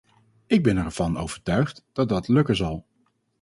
Ik ben ervan overtuigd dat dat lukken zal.